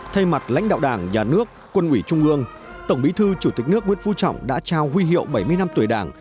thay mặt lãnh đạo đảng nhà nước quân ủy trung ương tổng bí thư chủ tịch nước nguyễn phú trọng đã trao huy hiệu bảy mươi năm tuổi đảng